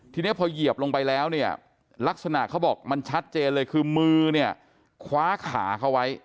ทีนี้พอเหยียบลงไปแล้วเนี่ยลักษณะเขาบอกมันชัดเจนเลยคือมือเนี่ยคว้าขาเขาไว้